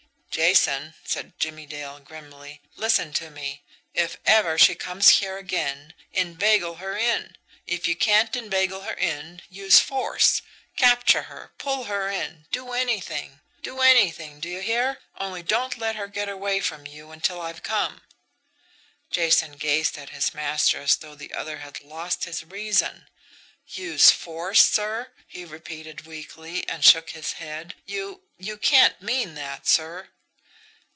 "Jason," said Jimmie Dale grimly, "listen to me. If ever she comes here again, inveigle her in. If you can't inveigle her, use force; capture her, pull her in, do anything do anything, do you hear? Only don't let her get away from you until I've come." Jason gazed at his master as though the other had lost his reason. "Use force, sir?" he repeated weakly and shook his head. "You you can't mean that, sir."